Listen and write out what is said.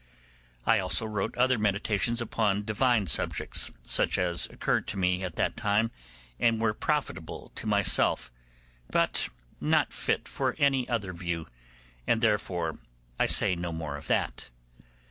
I also wrote other meditations upon divine subjects, such as occurred to me at that time and were profitable to myself, but not fit for any other view, and therefore I say no more of that.